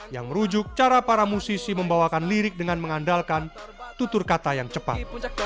yang merujuk cara para musisi membawakan lirik dengan mengandalkan tutur kata yang cepat